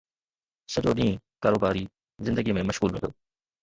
سڄو ڏينهن ڪاروباري زندگيءَ ۾ مشغول رهيو